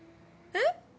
えっ？